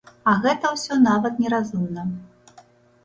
А гэта ўсё нават не разумна.